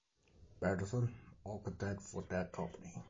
Patterson, Architect for that company.